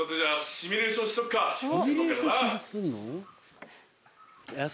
シミュレーションすんの？